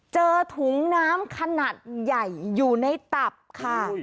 เจอถุงน้ำขนาดใหญ่อยู่ในตับค่ะ